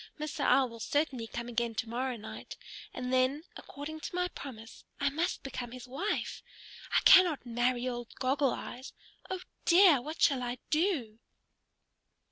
Mr. Owl will certainly come again to morrow night, and then, according to my promise, I must become his wife. I cannot marry old Goggle Eyes. Oh dear! What shall I do?"